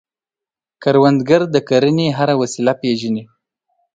کروندګر د کرنې هره وسیله پېژني